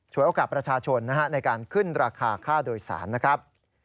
โอกาสประชาชนในการขึ้นราคาค่าโดยสารนะครับ